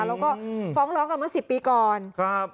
แล้วก็ฟ้องร้องกันเมื่อ๑๐ปีก่อนครับ